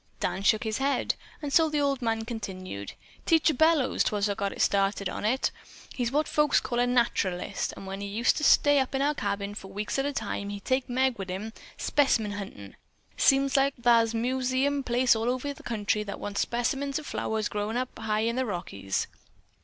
Dan shook his head, and so the old man continued: "Teacher Bellows 'twas got her started on it. He's what folks call a naturalist, an' when he used to stay up to our cabin for weeks at a time an' he'd take Meg wi' him specimen huntin'. Seems like thar's museum places all over this here country that wants specimens of flowers growin' high up in the Rockies.